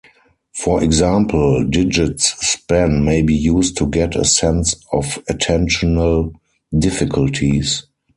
For example, digit span may be used to get a sense of attentional difficulties.